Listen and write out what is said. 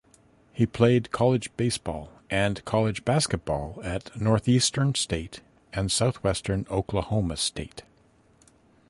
He played college baseball and college basketball at Northeastern State and Southwestern Oklahoma State.